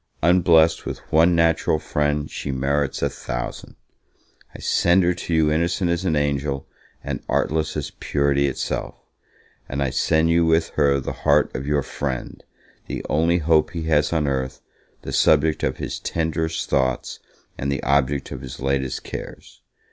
Unblest with one natural friend, she merits a thousand. I send her to you innocent as an angel, and artless as purity itself; and I send you with her the heart of your friend, the only hope he has on earth, the subject of his tenderest thoughts, and the object of his latest cares.